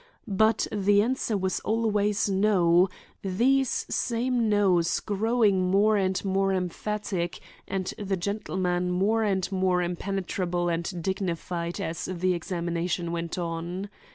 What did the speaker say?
But the answer was always no; these same noes growing more and more emphatic, and the gentleman more and more impenetrable and dignified as the examination went on.